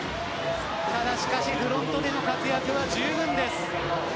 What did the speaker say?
ただしかし、フロントでの活躍はじゅうぶんです。